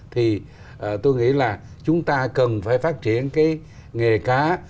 thì tôi nghĩ là chúng ta cần phải phát triển cái nghề cá